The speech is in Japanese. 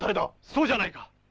そうじゃないか！